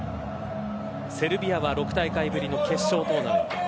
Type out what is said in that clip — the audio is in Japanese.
セルビアは６大会ぶりの決勝トーナメント。